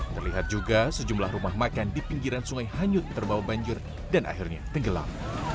terlihat juga sejumlah rumah makan di pinggiran sungai hanyut terbawa banjir dan akhirnya tenggelam